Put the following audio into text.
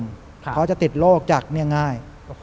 เพราะจะติดโรคจากง่าย